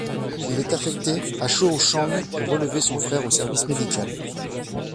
Il est affecté à Shaochang pour relever son frère au service médical.